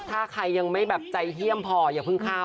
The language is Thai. ถ้าใครยังไม่แบบใจเฮี่ยมพออย่าเพิ่งเข้า